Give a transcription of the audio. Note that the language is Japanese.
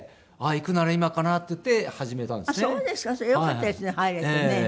それよかったですね入れてね。